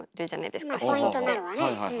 まあポイントになるわね。